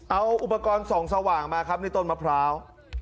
เอาอุปกรณ์ส่องสว่างมาครับในต้นมะพร้าว